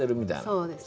そうです。